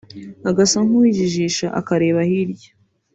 agasa nkuwijijisha akareba hirya